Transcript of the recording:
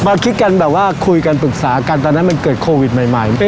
คิดกันแบบว่าคุยกันปรึกษากันตอนนั้นมันเกิดโควิดใหม่